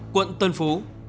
quận tân phú